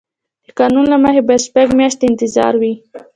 د قانون له مخې باید شپږ میاشتې انتظار وي.